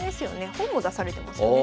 本も出されてますよね